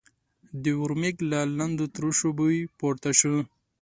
د ورمېږ له لندو تروشو بوی پورته شو.